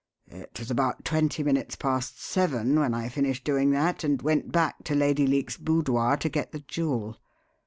It was about twenty minutes past seven when I finished doing that, and went back to Lady Leake's boudoir to get the jewel.